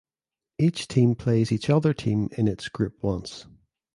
Each team plays each other team in its group once.